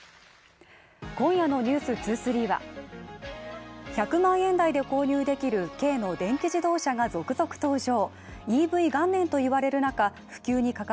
今夜の「ｎｅｗｓ２３」は１００万円台で購入できる軽の電気自動車が続々と登場。